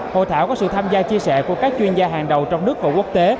hội thảo có sự tham gia chia sẻ của các chuyên gia hàng đầu trong nước và quốc tế